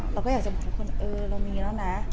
เราก็อยากจะบอกทุกคนเออเรามีแล้วนะ